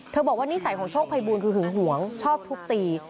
บอกว่านิสัยของโชคภัยบูลคือหึงหวงชอบทุบตี